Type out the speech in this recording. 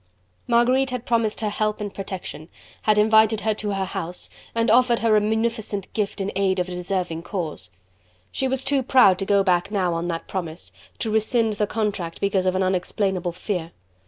Marguerite had promised her help and protection, had invited her to her house, and offered her a munificent gift in aid of a deserving cause. She was too proud to go back now on that promise, to rescind the contract because of an unexplainable fear.